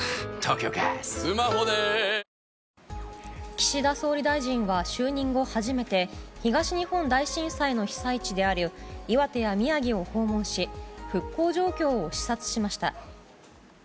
岸田総理大臣は、就任後初めて東日本大震災の被災地である岩手や宮城を訪問し復興状況を視察しました。